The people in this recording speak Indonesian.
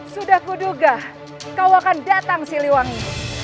sudah kuduga kau akan datang siliwangi